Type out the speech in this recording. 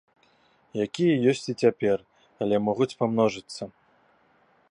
Якія ёсць і цяпер, але могуць памножыцца.